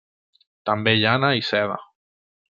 També llana i seda.